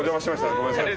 ごめんなさい。